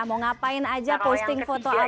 mau ngapain aja posting foto apa salah